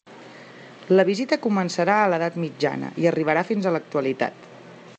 La visita començarà a l'Edat Mitjana i arribarà fins a l'actualitat.